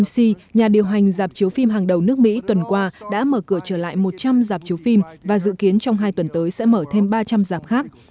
mc nhà điều hành giảm chiếu phim hàng đầu nước mỹ tuần qua đã mở cửa trở lại một trăm linh giảm chiếu phim và dự kiến trong hai tuần tới sẽ mở thêm ba trăm linh giảm khác